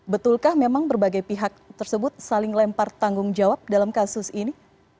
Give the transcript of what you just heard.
betulkah memang berbagai pihak tersebut saling lempar tanggung jawab dalam kasus ini